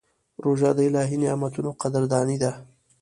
روژه د الهي نعمتونو قدرداني ده.